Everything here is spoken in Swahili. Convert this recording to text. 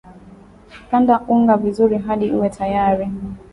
kanda unga vizuri hadi uwe tayari